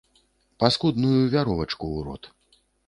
Паскудную вяровачку ў рот.